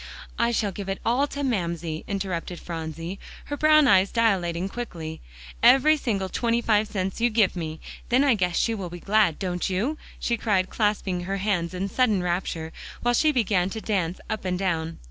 "I shall give it all to Mamsie," interrupted Phronsie, her brown eyes dilating quickly, "every single twenty five cents you give me. Then I guess she will be glad, don't you?" she cried, clasping her hands in sudden rapture, while she began to dance up and down.